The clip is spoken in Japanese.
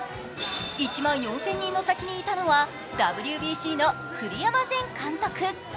１万４０００人の先にいたのはＷＢＣの栗山前監督。